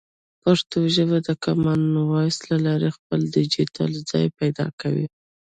پښتو ژبه د کامن وایس له لارې خپل ډیجیټل ځای پیدا کوي.